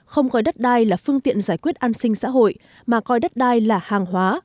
không coi đất đai là phương tiện giải quyết an sinh xã hội mà coi đất đai là hàng hóa